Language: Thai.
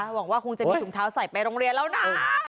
หวังว่าคงจะมีถุงเท้าใส่ไปโรงเรียนแล้วนะ